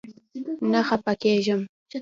نه خپه کيږم